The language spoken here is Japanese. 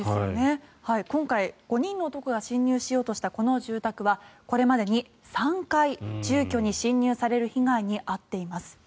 今回、５人の男が侵入しようとしたこの住宅はこれまでに３回住居に侵入される被害に遭っています。